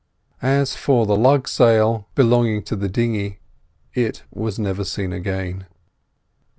As for the lug sail belonging to the dinghy, it was never seen again.